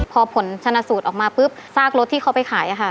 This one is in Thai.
พอผลชนะสูตรออกมาปุ๊บซากรถที่เขาไปขาย